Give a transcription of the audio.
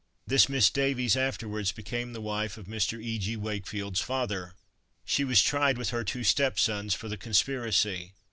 This Miss Davies afterwards became the wife of Mr. E. G. Wakefield's father. She was tried with her two stepsons for the conspiracy.